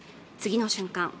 次の瞬間